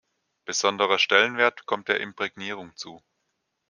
Besonderer Stellenwert kommt der Imprägnierung zu.